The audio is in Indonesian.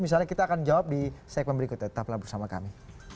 misalnya kita akan jawab di segmen berikutnya tetaplah bersama kami